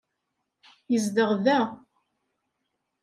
Yezdeɣ da.